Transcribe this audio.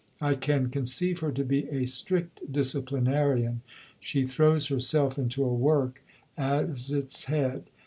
I can conceive her to be a strict disciplinarian; she throws herself into a work as its head.